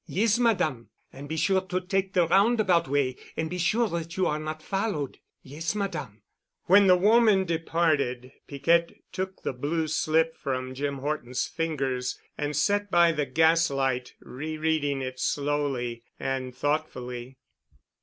"Yes, Madame." "And be sure to take the roundabout way and be sure that you are not followed." "Yes, Madame." When the woman departed, Piquette took the blue slip from Jim Horton's fingers and sat by the gas light, rereading it slowly and thoughtfully.